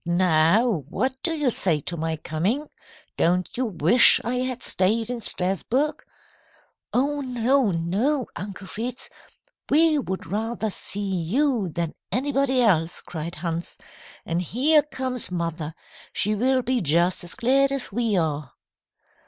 Now what do you say to my coming? Don't you wish I had stayed in Strasburg?" "Oh, no, no, Uncle Fritz. We would rather see you than anybody else," cried Hans. "And here comes mother. She will be just as glad as we are."